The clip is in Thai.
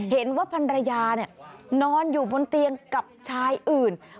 เห็นว่าพันรยานอนอยู่บนเตียงกับชายอื่น